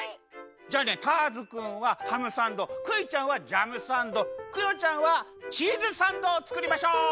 じゃあねターズくんはハムサンドクイちゃんはジャムサンドクヨちゃんはチーズサンドをつくりましょう！